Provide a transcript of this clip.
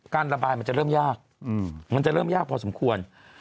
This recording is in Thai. การระบายมันจะเริ่มยากมันจะเริ่มยากพอสมควร